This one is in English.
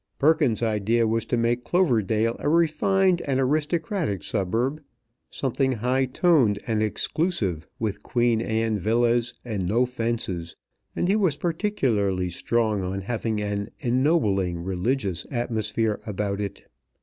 Perkins's idea was to make Cloverdale a refined and aristocratic suburb; something high toned and exclusive, with Queen Anne villas, and no fences; and he was particularly strong on having an ennobling religious atmosphere about it.